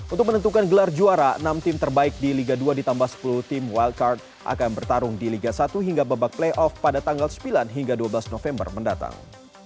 untuk menentukan gelar juara enam tim terbaik di liga dua ditambah sepuluh tim wilcard akan bertarung di liga satu hingga babak playoff pada tanggal sembilan hingga dua belas november mendatang